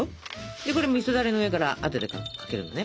みそだれの上からあとでかけるのね。